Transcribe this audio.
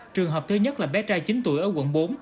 trường hợp thứ nhất là bé trai chín tuổi ở quận bốn